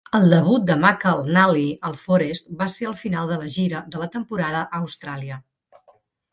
El debut de McInally al Forest va ser al final de la gira de la temporada a Austràlia.